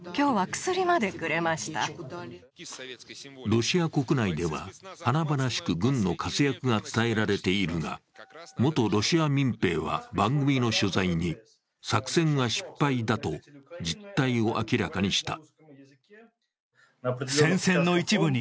ロシア国内では、華々しく軍の活躍が伝えられているが、元ロシア民兵は番組の取材に、作戦は失敗だと実態を明らかにした。